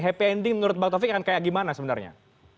happy ending menurut bang taufik akan kayak gimana sebenarnya